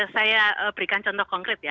saya berikan contoh konkret ya